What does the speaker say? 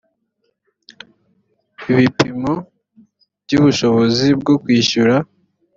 ibipimo by ubushobozi bwo kwishyura